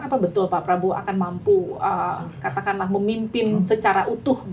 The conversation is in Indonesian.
apa betul pak prabowo akan mampu katakanlah memimpin secara utuh